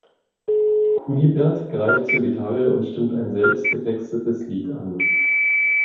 Kunibert greift zur Gitarre und stimmt ein selbst getextetes Lied an.